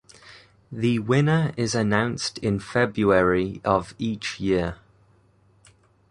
The winner is announced in February of each year.